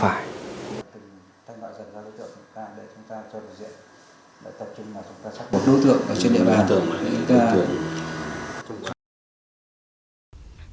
trên địa bàn tưởng